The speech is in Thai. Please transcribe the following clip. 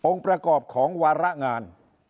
ประกอบของวาระงาน